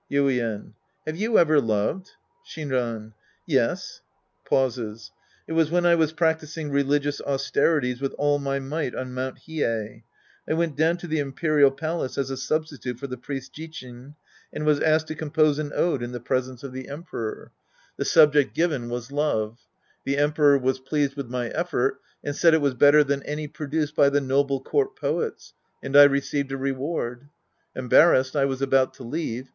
Yuien. Have you ever loved ? Shinran. Yes. {Pauses.) It was when I was practising religious austerities with all my might on Mt. Hiei. I went down to the imperial palace as a substitute for the priest Jichin and was asked to compose an ode in the presence of the Emperor. Act 11 The Priest and His Disciples 75 The subject given was " Love." The Emperor was pleased with my effort and said it was better than any produced by the noble court poets. And I receiv ed a i eward. Embarrassed, I was about to leave.